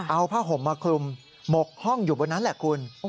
เอาผ้าห่มมาคลุมหมกห้องอยู่บนนั้นแหละคุณ